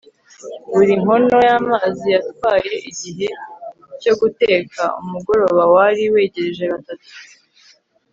buri nkono y'amazi yatwaye igihe cyo guteka. umugoroba wari wegereje, batatu